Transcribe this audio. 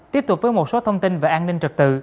tiếp tục với một số thông tin về an ninh trật tự